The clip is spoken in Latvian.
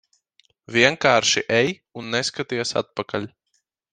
Vienkārši ej un neskaties atpakaļ.